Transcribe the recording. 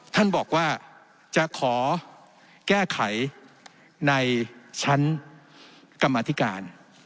ท่านบอกว่าจะขอแก้ไขในชั้นกรรมธิการ